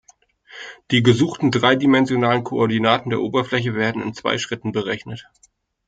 Die gesuchten dreidimensionalen Koordinaten der Oberfläche werden in zwei Schritten berechnet.